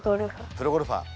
プロゴルファー。